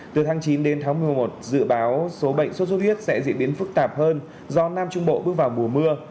từ tháng chín đến tháng một mươi một dự báo số bệnh số số thiết sẽ diễn biến phức tạp hơn do nam trung bộ bước vào mùa mưa